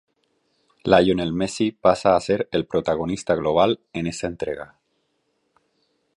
Lionel Messi pasa a ser el protagonista global en esta entrega.